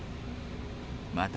また、